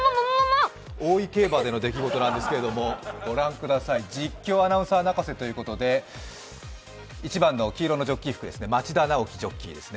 大井競馬での出来事なんですけれども、実況アナウンサー泣かせということで、１番の黄色のジョッキー服です町田ジョッキーです。